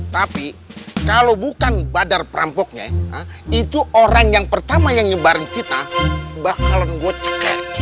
tapi kalau bukan badar perampoknya itu orang yang pertama yang nyebarin kita bakalan buat cek